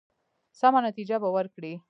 سمه نتیجه به ورکړي.